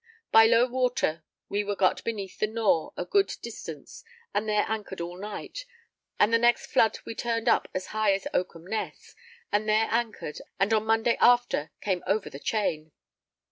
By low water we were got beneath the Nore a good distance, and there anchored all night, and the next flood we turned up as high as Oakham Ness and there anchored, and on Monday after came over the chain.